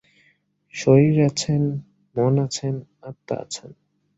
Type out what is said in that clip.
শরীর আছেন, মন আছেন, আত্মা আছেন।